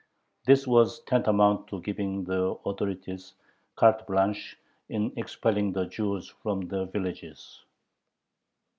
This was tantamount to giving the authorities carte blanche in expelling the Jews from the villages.